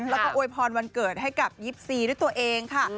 แล้วก็อวยพรวันเกิดให้กับ๒๔ด้วยตัวเองค่ะ